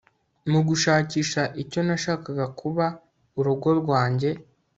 Mugushakisha icyo nashakaga kuba urugo rwanjye